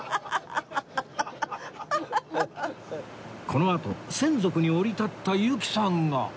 このあと洗足に降り立った由紀さんが